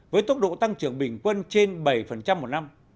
với tốc độ tăng trưởng bình quân trên bảy một năm